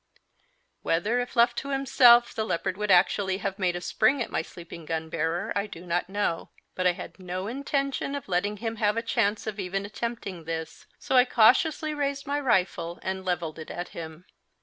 Whether, if left to himself, the leopard would actually have made a spring at my sleeping gun bearer, I do not know; but I had no intention of letting him have a chance of even attempting this, so I cautiously raised my rifle and levelled it at him.